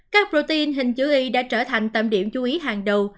các protein hình chữ y đã trở thành tầm điểm chú ý hàng đầu